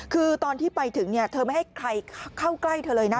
คือตอนที่ไปถึงเธอไม่ให้ใครเข้าใกล้เธอเลยนะ